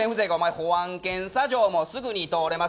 保安検査場もすぐに通れます！